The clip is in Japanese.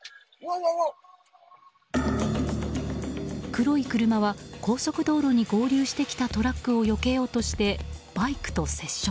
黒い車は高速道路に合流してきたトラックをよけようとしてバイクと接触。